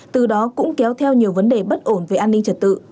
từ đó cũng kéo theo nhiều vấn đề bất ổn về an ninh trật tự